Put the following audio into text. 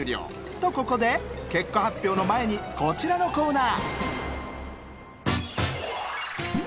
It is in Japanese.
とここで結果発表の前にこちらのコーナー。